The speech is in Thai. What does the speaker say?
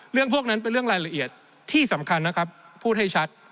เรื่องพวกนั้นเป็นเรื่องรายละเอียดที่สำคัญนะครับพูดให้ชัด